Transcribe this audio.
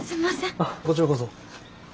あっこちらこそ。